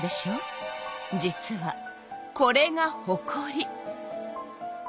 実はこれがほこり。